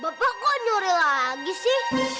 bapak gue nyuri lagi sih